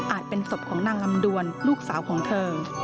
เป็นศพของนางลำดวนลูกสาวของเธอ